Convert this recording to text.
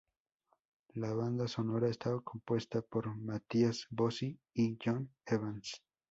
La banda sonora está compuesta por Matthias Bossi y Jon Evans.